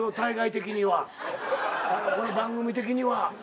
この番組的には。